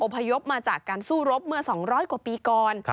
พยพมาจากการสู้รบเมื่อ๒๐๐กว่าปีก่อน